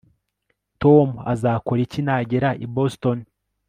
tom azakora iki nagera i boston